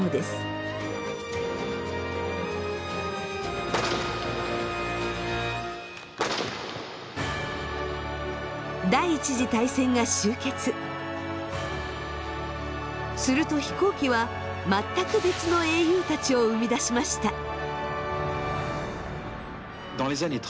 すると飛行機は全く別の英雄たちを生み出しました。